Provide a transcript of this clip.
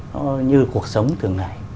nó như cuộc sống thường ngày